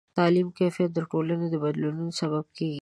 د تعلیم کیفیت د ټولنې د بدلون سبب کېږي.